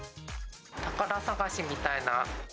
宝さがしみたいな。